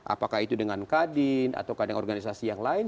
apakah itu dengan kadin atau kadang organisasi yang lain